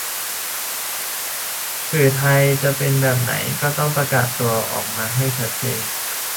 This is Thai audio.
สื่อไทยจะเป็นแบบไหนต้องประกาศตัวออกมาให้ชัดเจน